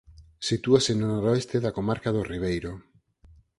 Sitúase no noroeste da comarca do Ribeiro.